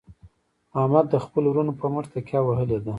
احمد د خپلو ورڼو په مټ تکیه وهلې ده.